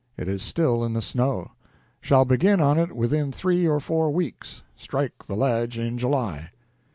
It is still in the snow. Shall begin on it within three or four weeks strike the ledge in July."